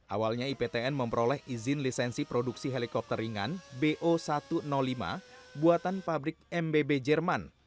awalnya iptn memperoleh izin lisensi produksi helikopter ringan bo satu ratus lima buatan pabrik mbb jerman